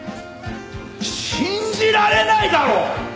信じられないだろ！